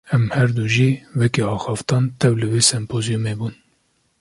Em herdu jî, wekî axaftvan tev li vê sempozyûmê bûn